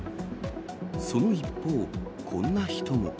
その一方、こんな人も。